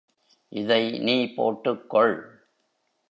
இதை நீ போட்டுக்கொள்.